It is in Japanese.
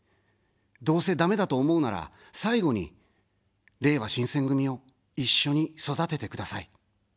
どうせダメだと思うなら、最後に、れいわ新選組を一緒に育ててください。